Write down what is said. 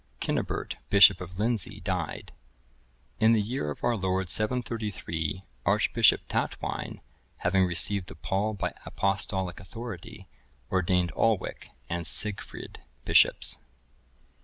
[Cynibert Bishop of Lindsey died.] [In the year of our Lord 733, Archbishop Tatwine, having received the pall by Apostolic authority, ordained Alwic(1058) and Sigfrid,(1059) bishops.